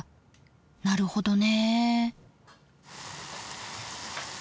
なるほどね。